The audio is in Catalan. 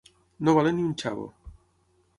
No valer ni un xavo.